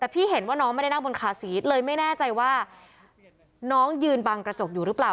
แต่พี่เห็นว่าน้องไม่ได้นั่งบนคาซีสเลยไม่แน่ใจว่าน้องยืนบังกระจกอยู่หรือเปล่า